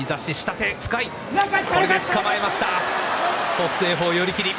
北青鵬、寄り切り。